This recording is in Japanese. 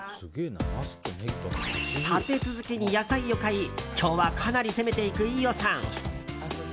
立て続けに野菜を買い今日はかなり攻めていく飯尾さん。